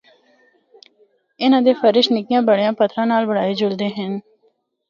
ان دے فرش نکیاں یا بڑیاں پتھراں نال بنڑائے جلدے ہن۔